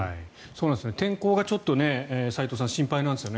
天候がちょっと、齋藤さん心配なんですよね。